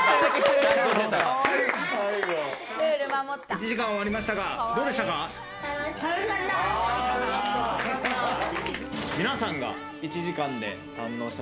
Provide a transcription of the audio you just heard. １時間、終わりましたがどう楽しかった。